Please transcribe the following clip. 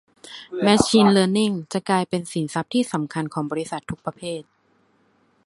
แมชชีนเลิร์นนิ่งจะกลายเป็นสินทรัพย์ที่สำคัญของบริษัททุกประเภท